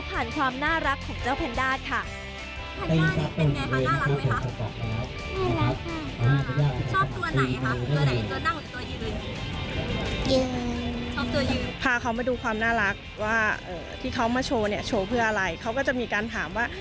ความน่ารักของเจ้าแพนด้าค่ะ